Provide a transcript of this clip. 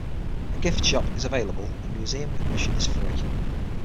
A gift shop is available, and museum admission is free.